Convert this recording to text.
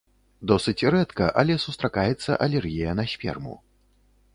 Досыць рэдка, але сустракаецца алергія на сперму.